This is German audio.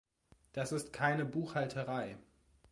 Das ist keine Buchhalterei.